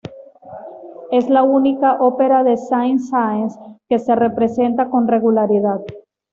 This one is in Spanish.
Es la única ópera de Saint-Saëns que se representa con regularidad.